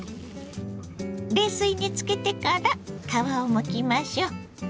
冷水につけてから皮をむきましょう。